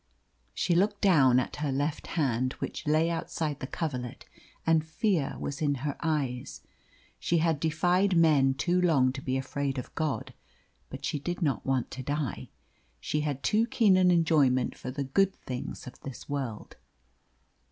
She looked down at her left hand, which lay outside the coverlet, and fear was in her eyes. She had defied men too long to be afraid of God, but she did not want to die; she had too keen an enjoyment for the good things of this world.